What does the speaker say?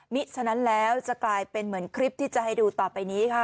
ฉะนั้นแล้วจะกลายเป็นเหมือนคลิปที่จะให้ดูต่อไปนี้ค่ะ